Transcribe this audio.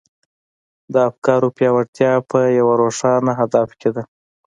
د افکارو پياوړتيا په يوه روښانه هدف کې ده.